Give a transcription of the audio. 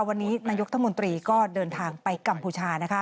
วันนี้นายกตมก็เดินทางไปกัมพูชา